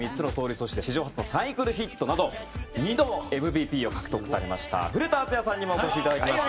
そして、史上初のサイクルヒットなど２度もＭＶＰを獲得されました古田敦也さんにもお越しいただいています。